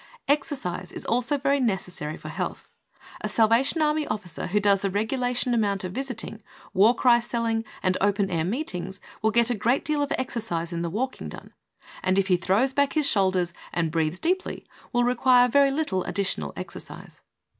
Exercise is also very necessary for health. A Salvation Army officer who does the regu lation amount of visiting, War Cry selling and open air meetings will get a great deal of exercise in the walking done, and if he throws back his shoulders and breathes deeply, will require very little additional 74 THE soul winner's secret. exercise.